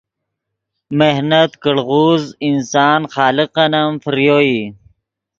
محنت کڑغوز انسان خالقن ام فریو ای